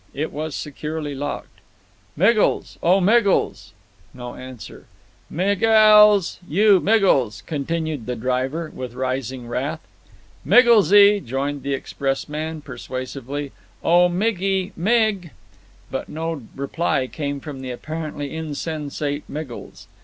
It was securely locked. "Miggles! O Miggles!" No answer. "Migg ells! You Miggles!" continued the driver, with rising wrath. "Migglesy!" joined the expressman, persuasively. "O Miggy! Mig!" But no reply came from the apparently insensate Miggles.